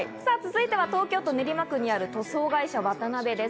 続いては東京都練馬区にある塗装会社ワタナベです。